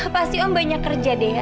pasti om banyak kerja deh ya